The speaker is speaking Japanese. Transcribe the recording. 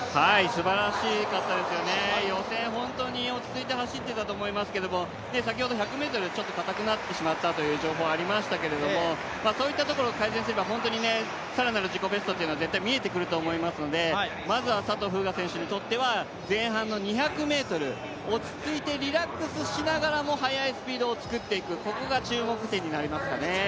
すばらしかったですよね、予選本当に落ち着いて走っていたと思いますけれども先ほど１００ｍ、ちょっと硬くなってしまったという情報ありましたけどそういったところを改善すれば、更なる自己ベストは絶対見えてくると思いますので、まずは佐藤風雅選手にとっては前半の２００ｍ落ち着いてリラックスしながらも速いスピードをつくっていく、ここが注目点になりますかね。